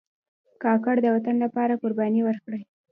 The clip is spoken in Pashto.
کاکړ د وطن لپاره قربانۍ ورکړي.